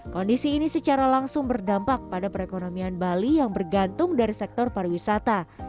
kondisi ini secara langsung berdampak pada perekonomian bali yang bergantung dari sektor pariwisata